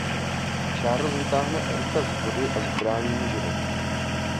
Charles vytáhne Erika z vody a zachrání mu život.